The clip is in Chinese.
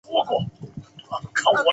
有人认为这跟金星绕日的周期。